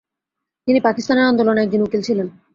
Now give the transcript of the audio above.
তিনি পাকিস্তান আন্দোলনের একজন উকিল ছিলেন।